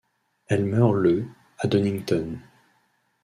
Elle meurt le à Donnington.